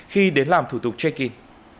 khi đến làm thủ tục check in